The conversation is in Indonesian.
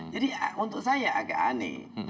jadi untuk saya agak aneh